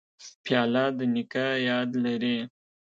پیاله د نیکه یاد لري.